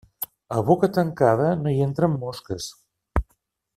A boca tancada no hi entren mosques.